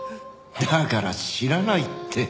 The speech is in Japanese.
だから知らないって。